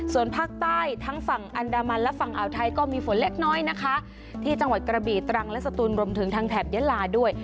ส่วนภาคใต้ทั้งฝั่งอันดามันและฝั่งอ่าวไทยก็มีฝนเล็กน้อยนะคะที่จังหวัดกระบีตรังและสตูนรวมถึงทางแถบยะลาด้วย